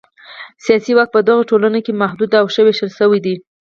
سیاسي واک په دغو ټولنو کې محدود او ښه وېشل شوی دی.